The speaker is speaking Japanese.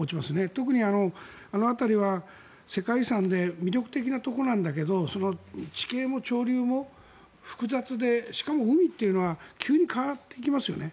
特にあの辺りは世界遺産で魅力的なところなんだけどその地形も潮流も複雑でしかも、海というのは急に変わっていきますよね。